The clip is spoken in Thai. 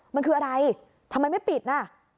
มันคืออะไรทำไมไม่ปิดน่ะ